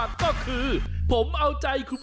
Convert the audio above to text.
สวัสดีครับคุณพี่สวัสดีครับ